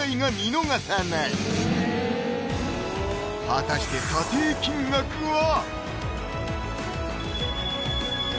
果たして査定金額は？